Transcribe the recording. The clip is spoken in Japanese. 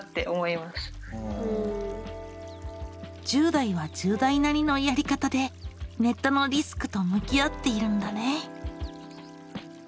１０代は１０代なりのやり方でネットのリスクと向き合っているんだね。